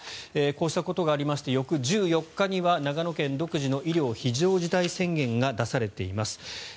こうしたことがありまして翌１４日には長野県独自の医療非常事態宣言が出されています。